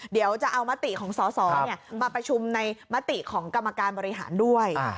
เดี๋ยวจะเอามติของสสมาประชุมในมติของกรรมการบริหารด้วย